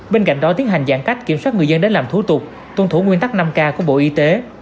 bên cạnh đó tiến hành giãn cách kiểm soát người dân đến làm thủ tục tuân thủ nguyên tắc năm k của bộ y tế